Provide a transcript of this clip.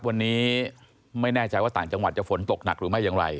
วันนี้ไม่แน่ใจว่าต่างจังหวัดจะฝนตกหนักหรือไม่อย่างไร